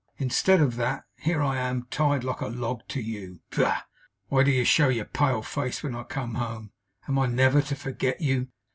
Instead of that, here I am, tied like a log to you. Pah! Why do you show your pale face when I come home? Am I never to forget you?